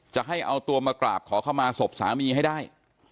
จะให้เอาตัวมากราบขอเข้ามาศพสามีให้ได้